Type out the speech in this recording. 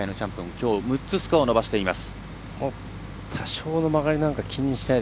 きょう６つスコアを伸ばしています。